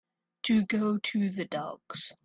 To go to the dogs.